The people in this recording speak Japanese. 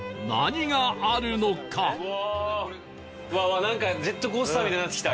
うわうわなんかジェットコースターみたいになってきた。